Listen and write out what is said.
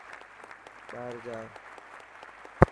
ٻاهر جا.